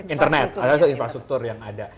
internet asal ada infrastruktur yang ada